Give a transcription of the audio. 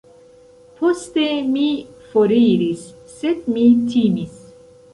Poste mi foriris, sed mi timis.